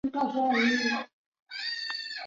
后由通恩接任。